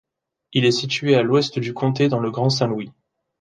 Il est situé à l'ouest du comté dans le Grand Saint-Louis.